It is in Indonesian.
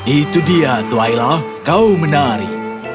itu dia tuhaila kau menari